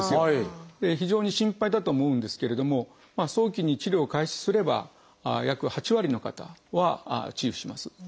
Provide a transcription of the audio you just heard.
非常に心配だと思うんですけれども早期に治療を開始すれば約８割の方は治癒します。